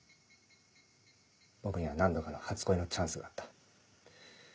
僕には何度かの初恋のチャンスがあった。